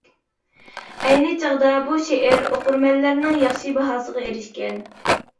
ئەينى چاغدا بۇ شېئىر ئوقۇرمەنلەرنىڭ ياخشى باھاسىغا ئېرىشكەن.